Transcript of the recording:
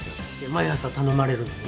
毎朝頼まれるのに？